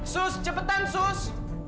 sus cepetan sus